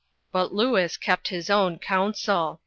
But Louis kept his own counsel.